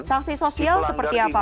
sanksi sosial seperti apa